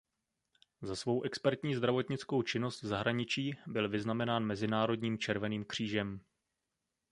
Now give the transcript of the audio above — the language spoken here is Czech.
Za svou expertní zdravotnickou činnost v zahraničí byl vyznamenán Mezinárodním Červeným křížem.